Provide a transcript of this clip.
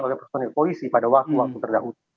oleh personil polisi pada waktu waktu terdahulu